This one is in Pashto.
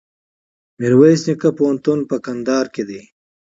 میرویس نیکه پوهنتون په کندهار کي دی.